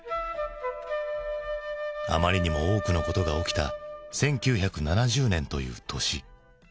あまりにも多くのことが起きた１９７０年という年。